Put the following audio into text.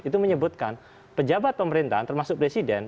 itu menyebutkan pejabat pemerintahan termasuk presiden